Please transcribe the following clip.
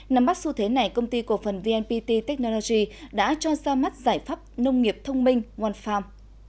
nằm bắt xu thế này công ty cổ phần vnpt technology đã cho ra mắt giải pháp nông nghiệp thông minh one farm